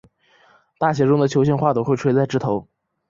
大且重的球形花朵会垂在枝头。